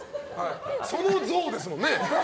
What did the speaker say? その像ですもんね。